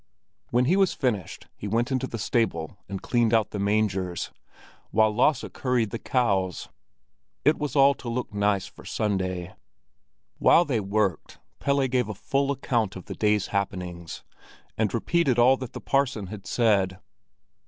When he was finished he went into the stable and cleaned out the mangers, while Lasse curried the cows; it was all to look nice for Sunday. While they worked, Pelle gave a full account of the day's happenings, and repeated all that the parson had said.